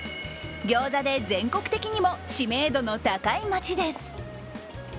ギョーザで全国的にも知名度の高い町です。